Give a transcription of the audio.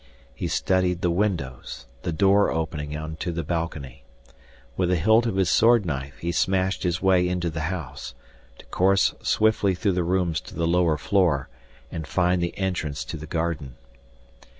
He studied the windows, the door opening onto the balcony. With the hilt of his sword knife he smashed his way into the house, to course swiftly through the rooms to the lower floor, and find the entrance to the garden.